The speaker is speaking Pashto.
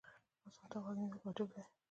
اذان ته غوږ نیول واجب دی.